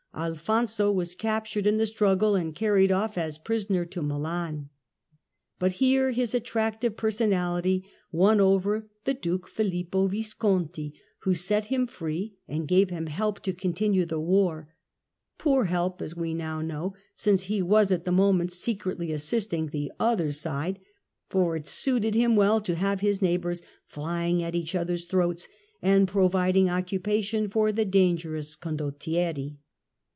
1435 ■' Alfonso was captured in the struggle, and carried off as prisoner to Milan ; but here his attractive personality won over the Duke Filippo Visconti, who set him free and gave him help to continue the war ; poor help as we now know, since he was at the moment secretly as sisting the other side, for it suited him well to have his neighbours flying at each other's throats, and providing occupation for the dangerous condottieri.